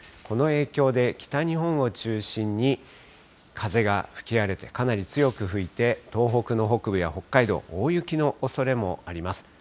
この影響で、北日本を中心に風が吹き荒れて、かなり強く吹いて、東北の北部や北海道、大雪のおそれもあります。